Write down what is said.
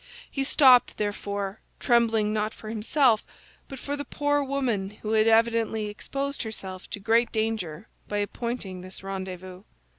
He stopped, therefore, trembling not for himself but for the poor woman who had evidently exposed herself to great danger by appointing this rendezvous.